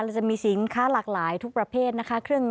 จะมีสินค้าหลากหลายทุกประเภทนะคะ